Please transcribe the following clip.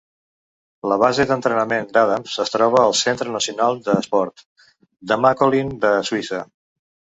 La base d'entrenament d'Adams es troba al "Centre national de sport" de Macolin de Suïssa.